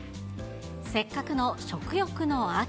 せっかくの食欲の秋。